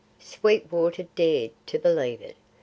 Sweetwater dared to believe it.